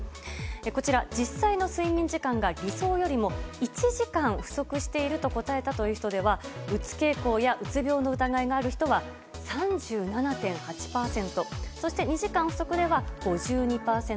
こちら、実際の睡眠時間が理想よりも１時間不足していると答えたという人では、うつ傾向やうつ病の疑いがある人は３７．８％。そして２時間不足では５２％。